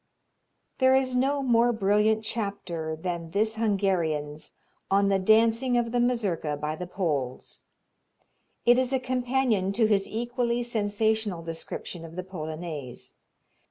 There is no more brilliant chapter than this Hungarian's on the dancing of the Mazurka by the Poles. It is a companion to his equally sensational description of the Polonaise.